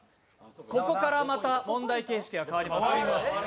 ここから問題形式が変わります。